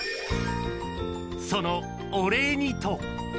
そのお礼にと。